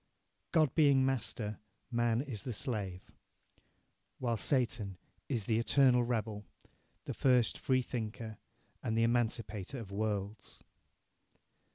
God being master, man is the slave." While Satan is "the eternal rebel, the first freethinker and the emancipator of worlds."